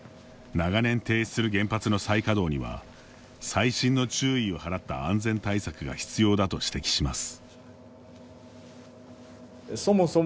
長年停止する原発の再稼働には細心の注意を払った安全対策が必要だと指摘します。